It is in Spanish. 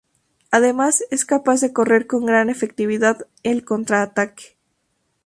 Además es capaz de correr con gran efectividad el contraataque.